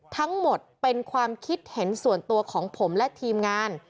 ทั้งหมดเป็นความคิดเห็นส่วนตัวของผมและทีมงาน